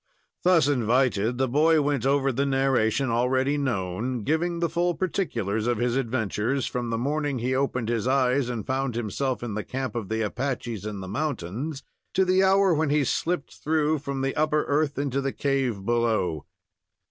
Thus invited, the boy went over the narration, already known, giving the full particulars of his adventures, from the morning he opened his eyes and found himself in the camp of the Apaches in the mountains; to the hour when he slipped through from the upper earth into the cave below.